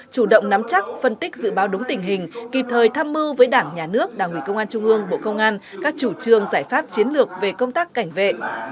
chủ động nắm chắc phân tích dự báo đúng tình hình kịp thời thăm mưu với đảng nhà nước đảng ủy công an trung ương bộ công an các chủ trương giải pháp chiến lược về công tác cảnh vệ